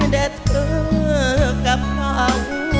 แต่เธอกับเขา